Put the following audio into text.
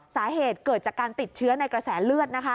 สาเหตุเกิดจากการติดเชื้อในกระแสเลือดนะคะ